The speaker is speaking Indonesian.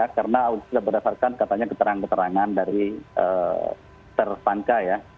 karena berdasarkan katanya keterangan keterangan dari tersangka